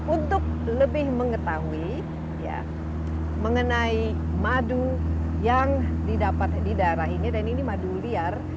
untuk lebih mengetahui mengenai madu yang didapat di daerah ini dan ini madu liar